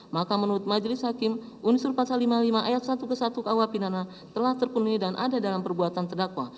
maka menurut majelis hakim unsur pasal lima puluh lima ayat satu ke satu kuh pinana telah terpenuhi dan ada dalam perbuatan terdakwa